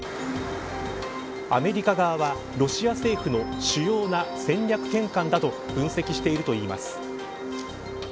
アメリカ側はロシア政府の主要な戦略転換だと分析しているといいます。